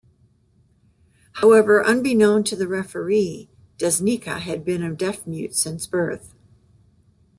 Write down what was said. However, unbeknown to the referee, Desnica had been a deaf-mute since birth.